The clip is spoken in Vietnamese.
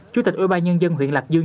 chủ tịch ubnd huyện lạc dương